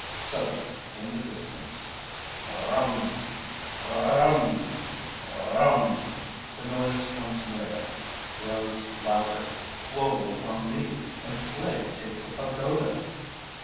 Suddenly, in the distance, br r r rum! Br r r rum! Br r r rum! The noise comes nearer, grows louder. Woe upon me! And plague take the Pagoda!